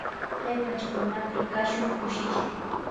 Chay pachakunapi kashun kushilla.